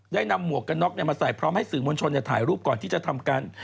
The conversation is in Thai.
นำหมวกกันน็อกมาใส่พร้อมให้สื่อมวลชนถ่ายรูปก่อนที่จะทำการ